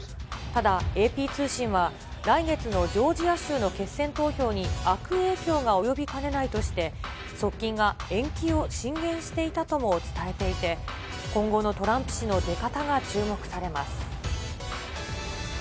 ただ、ＡＰ通信は、来月のジョージア州の決戦投票に悪影響が及びかねないとして、側近が延期を進言していたとも伝えていて、今後のトランプ氏の出方が注目されます。